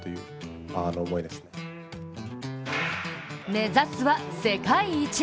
目指すは世界一！